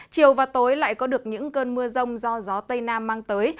chiều và tối lại có được những cơn mưa rông do gió tây nam mang tới